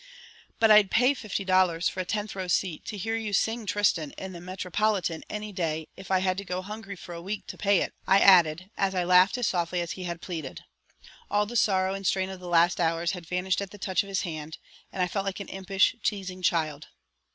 "But I'd pay fifty dollars for a tenth row seat to hear you sing Tristan in the Metropolitan any day if I had to go hungry for a week to pay for it," I added, as I laughed as softly as he had pleaded. All the sorrow and strain of the last hours had vanished at the touch of his hand, and I felt like an impish, teasing child.